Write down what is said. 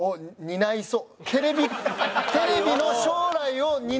「担いそう」。